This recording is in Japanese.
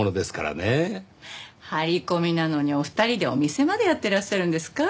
張り込みなのにお二人でお店までやってらっしゃるんですか？